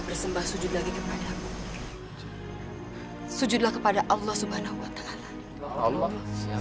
terima kasih dan lagi maaf penyayang